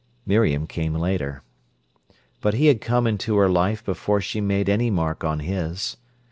Miriam came later. But he had come into her life before she made any mark on his.